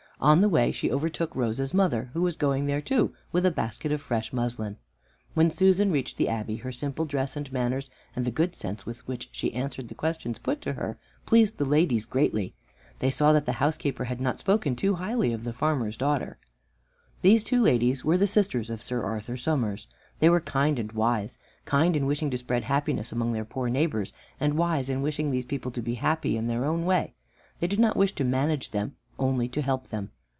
On the way she overtook Rose's mother, who was going there too with a basket of fresh muslin. When Susan reached the Abbey, her simple dress and manners and the good sense with which she answered the questions put to her, pleased the ladies greatly. They saw that the housekeeper had not spoken too highly of the farmer's daughter. These two ladies were the sisters of Sir Arthur Somers. They were kind and wise; kind in wishing to spread happiness among their poor neighbors, and wise in wishing these people to be happy in their own way. They did not wish to manage them, but only to help them.